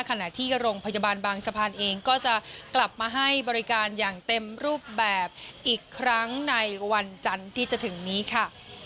ขณะที่โรงพยาบาลบางสะพานเองก็จะกลับมาให้บริการอย่างเต็มรูปแบบอีกครั้งในวันจันทร์ที่จะถึงนี้ค่ะ